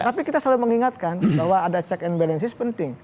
tapi kita selalu mengingatkan bahwa ada check and balances penting